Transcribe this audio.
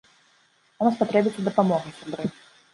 Нам спатрэбіцца дапамога, сябры.